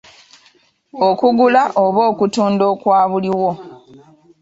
Okugula oba okutunda okwa buliwo.